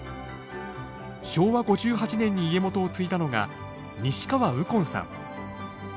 昭和５８年に家元を継いだのが西川右近さん。